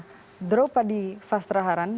jadi apa yang bisa anda lihat di fas traharan